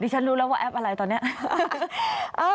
ฉันรู้แล้วว่าแอปอะไรตอนนี้